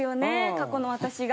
過去の私が。